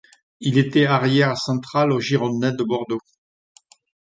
Il était arrière central aux Girondins de Bordeaux.